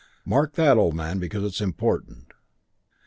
Mark that, old man, because it's important.